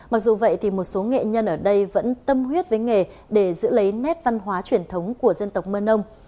mặc dù vậy một số nghệ nhân ở đây vẫn tâm huyết với nghề để giữ lấy nét văn hóa truyền thống của dân tộc mân âu